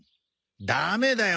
ダメだよ